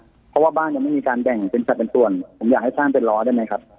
เพราะว่าบ้านยังไม่มีการแบ่งเป็นสัตว์เป็นส่วนผมอยากให้สร้างเป็นล้อได้ไหมครับ